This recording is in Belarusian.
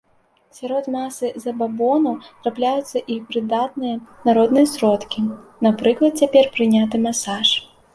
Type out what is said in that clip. Сярод масы забабонаў трапляюцца і прыдатныя народныя сродкі, напрыклад цяпер прыняты масаж.